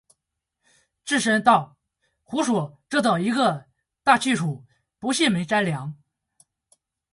智深道：“胡说，这等一个大去处，不信没斋粮。